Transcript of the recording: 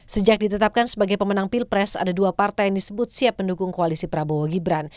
sejak ditetapkan sebagai pemenang pilpres ada dua partai yang disebut siap mendukung koalisi prabowo gibran